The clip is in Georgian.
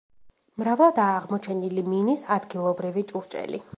მრავლადაა აღმოჩენილი მინის ადგილობრივი ჭურჭელი.